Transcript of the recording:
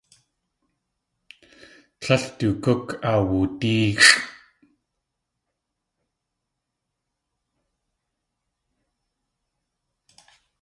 Tlél du gúk awudéexʼ.